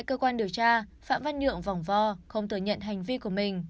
cơ quan điều tra phạm văn nhượng vòng vo không thừa nhận hành vi của mình